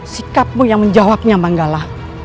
sikapmu yang menjawabnya manggala